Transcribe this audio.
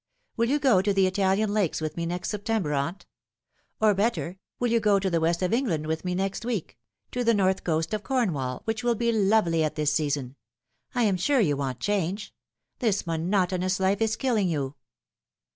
Will you go to the Italian Lakes with me next September, aunt ? Or, better, will you go to the West of England with me next week to the north coast of Cornwall, which will be lovely at this season ? I am sure you want change. This monotonous life is killing you."